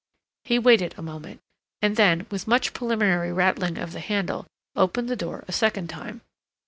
He waited a moment, and then, with much preliminary rattling of the handle, opened the door a second time.